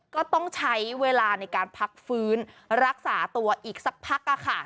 ก็ต้องใช้เวลาในการพักฟื้นรักษาตัวอีกสักพัก